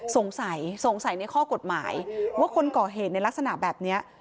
สงสัยสงสัยในข้อกฎหมายว่าคนก่อเหตุในลักษณะแบบนี้